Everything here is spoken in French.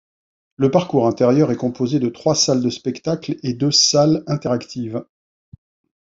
Le parcours intérieur est composé de trois salles de spectacles et deux salles interactives.